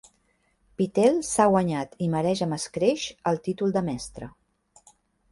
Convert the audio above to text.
Pittel s'ha guanyat i mereix amb escreix el títol de "mestre".